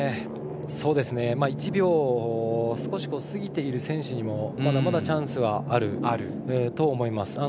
１秒少し過ぎている選手にもまだまだチャンスはあると思います。